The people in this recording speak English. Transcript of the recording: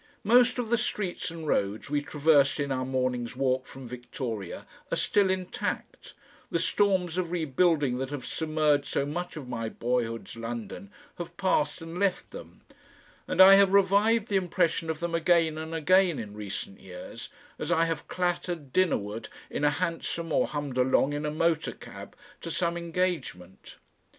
Most of the streets and roads we traversed in our morning's walk from Victoria are still intact, the storms of rebuilding that have submerged so much of my boyhood's London have passed and left them, and I have revived the impression of them again and again in recent years as I have clattered dinnerward in a hansom or hummed along in a motor cab to some engagement.